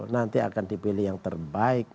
nanti akan dipilih yang terbaik